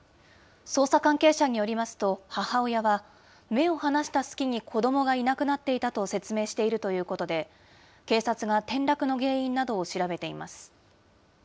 捜査関係者によりますと、母親は、目を離した隙に子どもがいなくなっていたと説明しているということで、警察が転落の原因などを調べています。